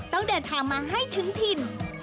ต้องเดินทางมาให้เดินไป